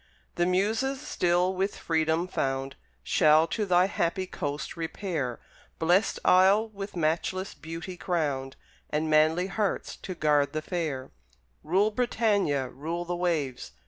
The Muses, still with Freedom found, Shall to thy happy coast repair; Blest Isle, with matchless beauty crowned, And manly hearts to guard the fair: Rule, Britannia, rule the waves!